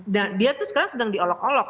nah dia tuh sekarang sedang diolok olok